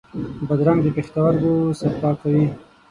بادرنګ د پښتورګو صفا کوي.